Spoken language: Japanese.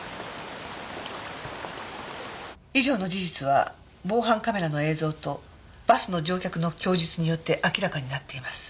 以上の事実は防犯カメラの映像とバスの乗客の供述によって明らかになっています。